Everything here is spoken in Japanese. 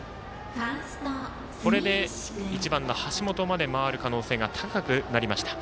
これで１番の橋本まで回る可能性が高くなりました。